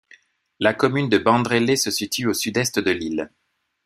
La commune de Bandrélé se situe au sud-est de l'île.